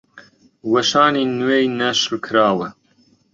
وەشانی نوێی نەشر کراوە